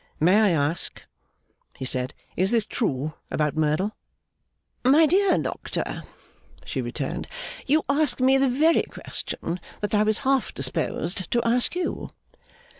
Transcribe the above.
'May I ask,' he said, 'is this true about Merdle?' 'My dear doctor,' she returned, 'you ask me the very question that I was half disposed to ask you.